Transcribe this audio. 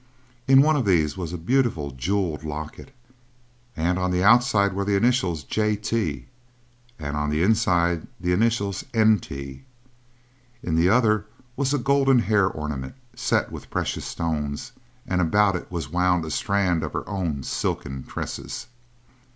In one of these was a beautiful jeweled locket, and on the outside were the initials JT, and on the inside the initials NT; in the other was a golden hair ornament set with precious stones, and about it was wound a strand of her own silken tresses.